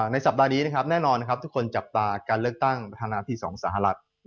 สัปดาห์นี้แน่นอนทุกคนจับตาการเลือกตั้งประธานาธิของสหรัฐ